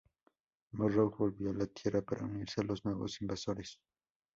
Morrow volvió a la tierra para unirse a los nuevos Invasores.